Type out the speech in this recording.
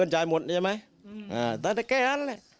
ไหนนะคะ